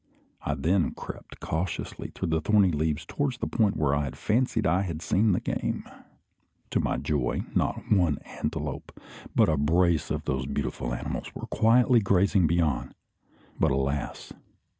I then crept cautiously through the thorny leaves towards the point where I fancied I had seen the game. To my joy, not one antelope, but a brace of those beautiful animals were quietly grazing beyond; but, alas!